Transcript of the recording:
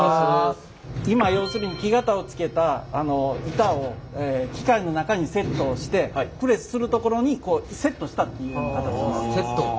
今要するに木型をつけた板を機械の中にセットをしてプレスするところにセットしたっていうような形。